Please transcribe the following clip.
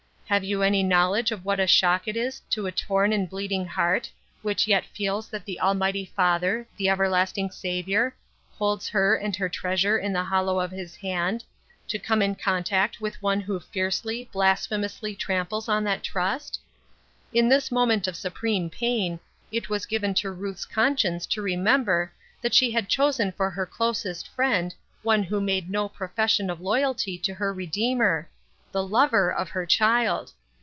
Have you any knowledge of what a shock it is to a torn and bleediiig heart, which yet feels that the Almighty Father, the Everlasting Saviour, holds her and her treasure in the hollow of his hand, to come in contact with one who fiercely, blasphemously tramples on that trust ? In this moment of supreme pain, it was given to Ruth's conscience to remember that she had chosen for her closest friend one who made no profession of loyalty to her Redeemer — the Lover of her child.